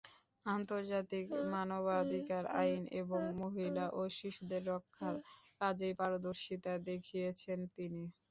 আন্তর্জাতিক মানবাধিকার আইন এবং মহিলা ও শিশুদের রক্ষার কাজেই পারদর্শীতা দেখিয়েছেন তিনি।